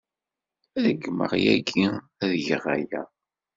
Ṛeggmeɣ yagi ad geɣ aya.